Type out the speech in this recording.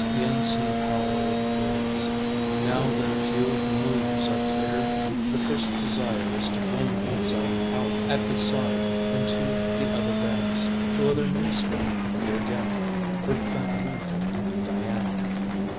The unseen power of words And now that a few of the moves are clear the first desire is to fling oneself out at the side into the other dance, to other music. Peer Gynt. Rip Van Winkle. Diana.